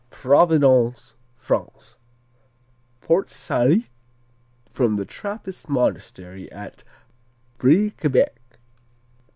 Providence France Port Salut from the Trappist monastery at Briquebec.